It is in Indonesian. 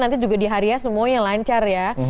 nanti juga di hari hari semuanya lancar ya